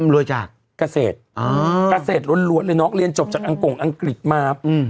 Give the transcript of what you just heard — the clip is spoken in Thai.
รวยจากเกษตรเกษตรล้วนเลยน้องเรียนจบจากอังกงอังกฤษมา